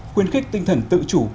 khuyến khích tinh thần tự chủ